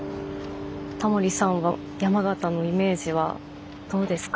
タモリさんは山形のイメージはどうですか？